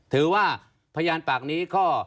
ถือว่าพยานปากนี้ก็